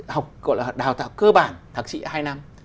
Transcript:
học gọi là đào tạo cơ bản thạc sĩ hai năm